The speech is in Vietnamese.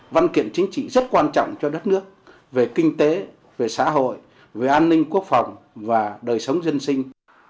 văn kiện chính trị rất quan trọng cho đất nước về kinh tế về xã hội về an ninh quốc phòng và đời sống dân sinh